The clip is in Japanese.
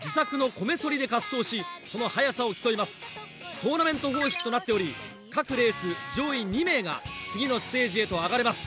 トーナメント方式となっており各レース上位２名が次のステージへと上がれます。